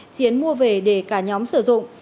chiến mua về để cả nhóm sử dụng